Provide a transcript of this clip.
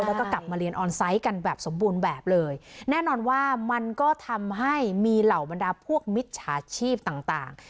แล้วก็กลับมาเรียนออนไซต์กันแบบสมบูรณ์แบบเลยแน่นอนว่ามันก็ทำให้มีเหล่าบรรดาพวกมิจฉาชีพต่างต่าง